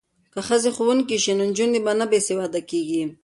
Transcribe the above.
که ښځې ښوونکې شي نو نجونې نه بې سواده کیږي.